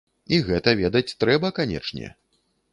І гэта ведаць трэба канечне.